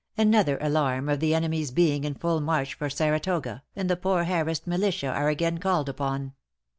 Another alarm of the enemy's being in full march for Saratoga, and the poor harrassed militia are again called upon.